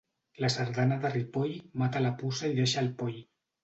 La sardana de Ripoll mata la puça i deixa el poll.